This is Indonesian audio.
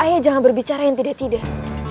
ayah jangan berbicara yang tidak tidak